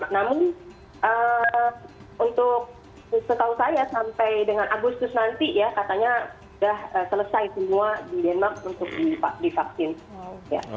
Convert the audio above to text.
namun untuk setahu saya sampai dengan agustus nanti ya katanya sudah selesai semua di denmark untuk divaksin